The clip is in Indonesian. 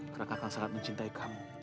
karena kakak sangat mencintai kamu